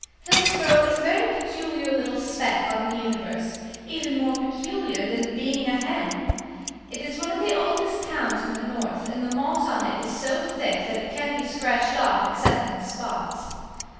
Hillsboro is a very peculiar little speck on the universe; even more peculiar than being like a hen. It is one of the oldest towns in the North, and the moss on it is so thick that it can't be scratched off except in spots.